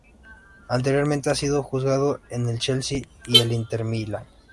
Anteriormente ha sido juzgado en el Chelsea y el Inter de Milán.